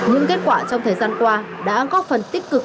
những kết quả trong thời gian qua đã góp phần tích cực